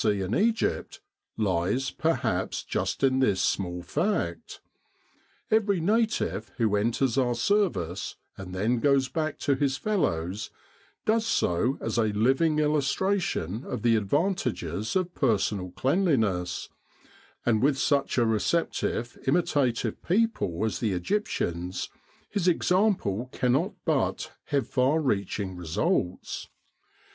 C. in Egypt, lies, perhaps just in this small fact. Every native, who enters our service, and then goes back to his fellows, does so as a living illustration of the ad vantages of personal cleanliness, and with such a re ceptive, imitative people as the Egyptians, his ex ample cannot but have far reaching results.